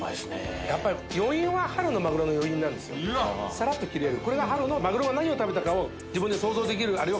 サラっと切れる。